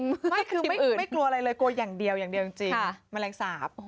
ไม่คือไม่กลัวอะไรเลยกลัวอย่างเดียวอย่างเดียวจริงแมลงสาป